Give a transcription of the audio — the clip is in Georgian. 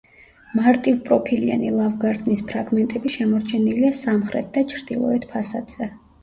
მარტივპროფილიანი ლავგარდნის ფრაგმენტები შემორჩენილია სამხრეთ და ჩრდილოეთ ფასადზე.